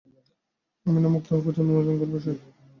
আমি না মুক্ত হওয়া পর্যন্ত অনশন করবে সে।